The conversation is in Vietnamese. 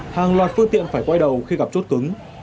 hàng loạt phương tiện phải quay đầu khi gặp chốt cứng